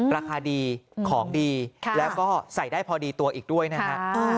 ราคาดีของดีแล้วก็ใส่ได้พอดีตัวอีกด้วยนะฮะ